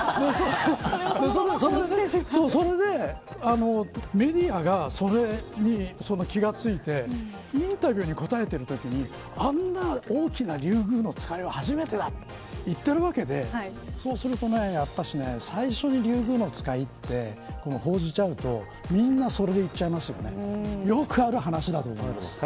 それで、メディアがそれに気が付いてインタビューに答えているときにあんな大きなリュウグウノツカイは初めてだと言っているわけでそうすると、やっぱり最初にリュウグウノツカイって報じちゃうとみんなそれでいっちゃいますよね。